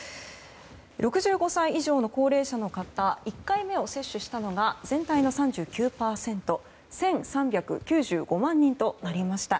６５歳以上の高齢者の方１回目を接種したのが全体の３９％１３９５万人となりました。